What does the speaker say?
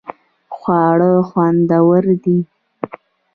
خواړه خوندور دې